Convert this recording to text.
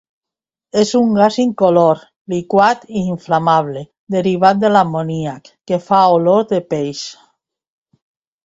És un gas incolor, liquat i inflamable derivat de l'amoníac que fa olor de peix.